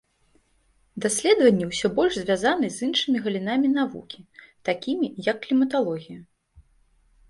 Даследаванні ўсё больш звязаны з іншымі галінамі навукі, такімі, як кліматалогія.